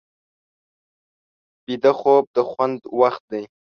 ویده خوب د خوند وخت دی